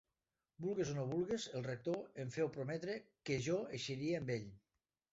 Vulgues o no vulgues, el rector em feu prometre que jo eixiria amb ell